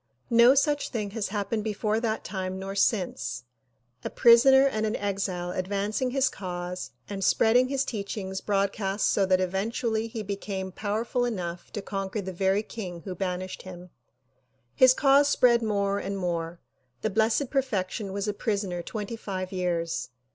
No such thing has happened before that time nor since; a prisoner and an exile advancing his cause and spreading his teachings broadcast so that eventually he became powerful enough to conquer the very king who banished him. His cause spread more and more. The Blessed Perfection was a prisoner twenty five years.